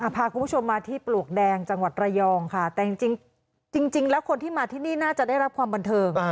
พาคุณผู้ชมมาที่ปลวกแดงจังหวัดระยองค่ะแต่จริงแล้วคนที่มาที่นี่น่าจะได้รับความบันเทิง